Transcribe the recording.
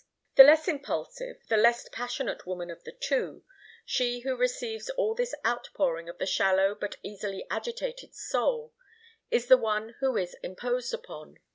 The less impulsive, the less passionate woman of the two, she who receives all this outpouring of the shallow but easily agitated soul, is the one who is imposed upon.